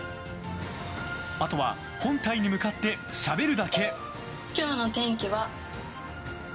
あとは本体に向かってしゃべるだけ。